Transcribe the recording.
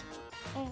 うん。